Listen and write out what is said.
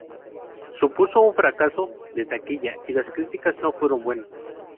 Supuso un fracaso de taquilla, y las críticas no fueron buenas.